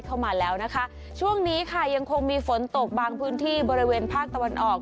เข้ามาแล้วนะคะช่วงนี้ค่ะยังคงมีฝนตกบางพื้นที่บริเวณภาคตะวันออก